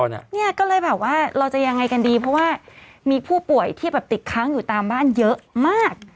เนี่ยก็เลยแบบว่าเราจะยังไงกันดีเพราะว่ามีผู้ป่วยที่แบบติดค้างอยู่ตามบ้านเยอะมาก